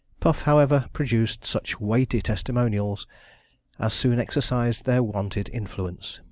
Puff, however, produced such weighty testimonials, as soon exercised their wonted influence.